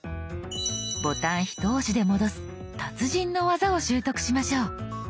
ボタンひと押しで戻す達人の技を習得しましょう。